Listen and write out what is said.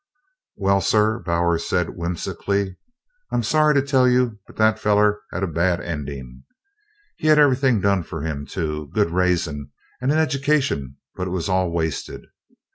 "Well, sir," Bowers said whimsically, "I'm sorry to tell you but that feller had a bad endin'. He had everything done fur him, too good raisin' and an education, but it was all wasted.